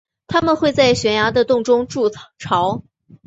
它们会在悬崖的洞中筑巢。